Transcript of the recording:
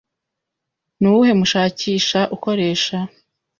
Nuwuhe mushakisha ukoresha?